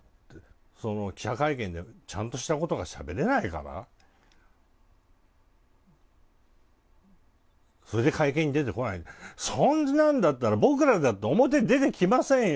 記者会見でちゃんとしたことがしゃべれないから、それで会見に出てこない、そんなんだったら、僕らだって表に出てきませんよ。